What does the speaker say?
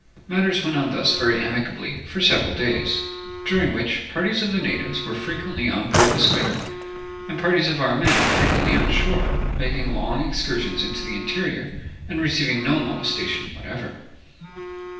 Matters went on thus very amicably for several days, during which parties of the natives were frequently on board the schooner, and parties of our men frequently on shore, making long excursions into the interior, and receiving no molestation whatever.